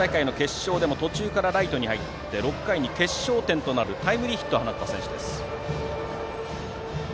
山梨大会の決勝でも途中からライトに入り６回に決勝点となるタイムリーヒットを放った選手。